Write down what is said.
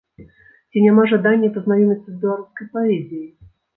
Ці няма жадання пазнаёміцца з беларускай паэзіяй?